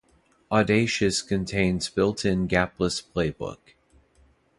Audacious contains built-in gapless playback.